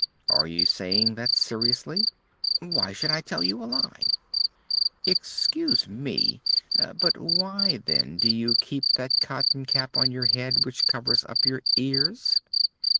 "Are you saying that seriously?" "Why should I tell you a lie?" "Excuse me; but why, then, do you keep that cotton cap on your head which covers up your ears?"